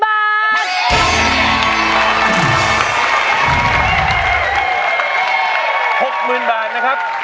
๖๐๐๐บาทนะครับ